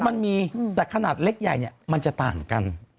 มันมีแต่ขนาดเล็กใหญ่เนี่ยมันจะต่างกัน